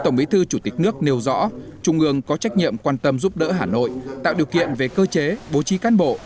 nước nêu rõ trung ương có trách nhiệm quan tâm giúp đỡ hà nội tạo điều kiện về cơ chế bố trí cán bộ